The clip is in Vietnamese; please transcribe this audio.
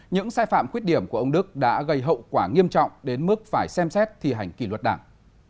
những sai phạm khuyết điểm của ông đức đã gây hậu quả nghiêm trọng đến mức phải xem xét thi hành kỷ luật đảng